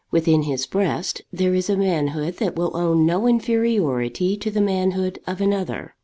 within his breast there is a manhood that will own no inferiority to the manhood of another.